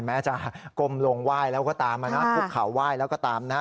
แม้จะก้มลงไหว้แล้วก็ตามนะคุกเขาไหว้แล้วก็ตามนะฮะ